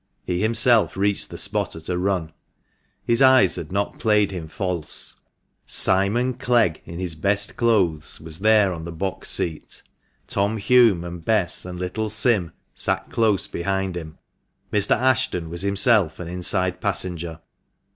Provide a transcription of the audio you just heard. He himself reached the spot at a run. His eyes had not played him false. Simon Clegg, in his best clothes, was there on the box seat ; Tom Hulme and Bess and little Sim sat close behind him. Mr. Ashton was himself an inside passenger.